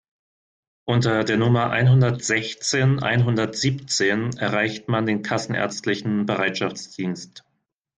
Unter der Nummer einhundertsechzehn einhundertsiebzehn erreicht man den kassenärztlichen Bereitschaftsdienst.